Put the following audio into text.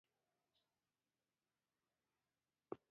آیا امنیت د اقتصاد لپاره مهم دی؟